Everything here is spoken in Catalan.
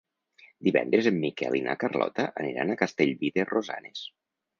Divendres en Miquel i na Carlota aniran a Castellví de Rosanes.